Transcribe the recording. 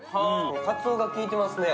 かつおが効いてますね。